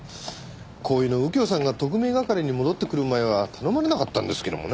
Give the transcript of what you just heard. こういうの右京さんが特命係に戻ってくる前は頼まれなかったんですけどもね。